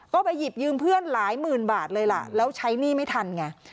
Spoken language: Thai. ก็ไปหยิบยืมเพื่อนหลายหมื่นบาทเลยล่ะแล้วใช้หนี้ไม่ทันไง